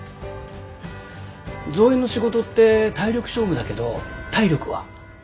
造園の仕事って体力勝負だけど体力は？